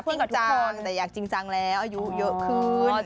แต่ก็ติ้งจังแต่อยากจริงจังแล้วอยู่เยอะขึ้น